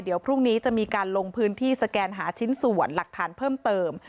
เดี๋ยวพรุ่งนี้จะมีการลงพื้นที่สแกนหาชิ้นส่วนหลักฐานเพิ่มเติม